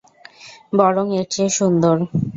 বরং এর চেয়ে সুন্দর।